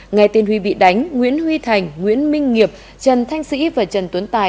ngày tiên huy bị đánh nguyễn huy thành nguyễn minh nghiệp trần thanh sĩ và trần tuấn tài